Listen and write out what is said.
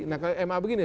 nah ma begini ya